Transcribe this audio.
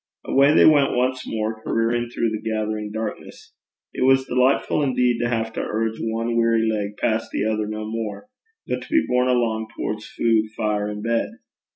Away they went once more, careering through the gathering darkness. It was delightful indeed to have to urge one weary leg past the other no more, but be borne along towards food, fire, and bed.